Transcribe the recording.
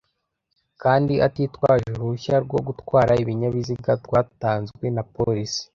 kandi atitwaje uruhushya rwo gutwara ibinyabiziga rwatanzwe na Polisi